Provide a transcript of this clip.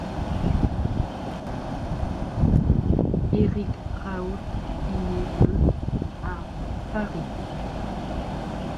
Éric Raoult est né le à Paris.